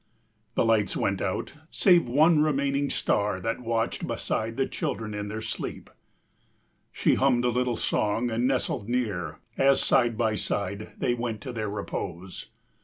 The lights went out, save one remaining star That watched beside the children in their sleep. She hummed a little song and nestled near, As side by side they went to their repose.